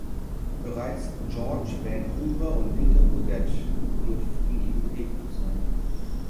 Bereits George Vancouver und Peter Puget dürften ihnen begegnet sein.